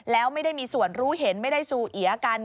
แล้วไม่ได้มีส่วนรู้เห็นไม่ได้ซูเอียกัน